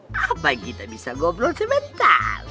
supaya kita bisa goblol sebentar